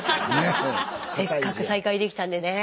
せっかく再開できたんでねえ。